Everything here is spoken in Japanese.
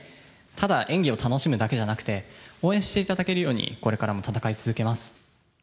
ただ、演技を楽しむだけじゃなくて、応援していただけるように、これからも戦い続けます。